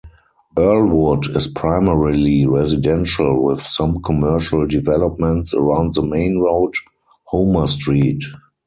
Earlwood is primarily residential with some commercial developments around the main road, Homer Street.